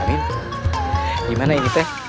amin gimana ini teh